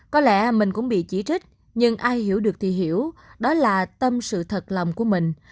có lẽ mình cũng bị chỉ trích nhưng ai hiểu được thì hiểu đó là tâm sự thật lòng của mình